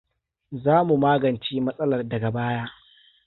Za mu magance matsalar daga baya.